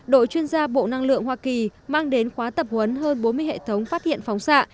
đội chuyên gia bộ năng lượng hoa kỳ mang đến khóa tập huấn hơn bốn mươi hệ thống phát hiện phóng xạ